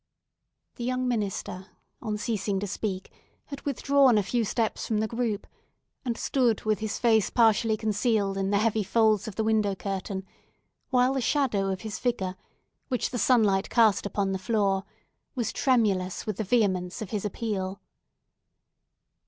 The young minister, on ceasing to speak had withdrawn a few steps from the group, and stood with his face partially concealed in the heavy folds of the window curtain; while the shadow of his figure, which the sunlight cast upon the floor, was tremulous with the vehemence of his appeal.